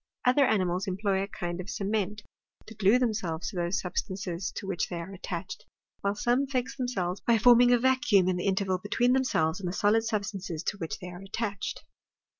Other animals employ a kind of cement to glue themselves to those substances to which they are attached, while some fix themselves by forming a vacuum in the interval between them selves and the solid substances to which they are attached.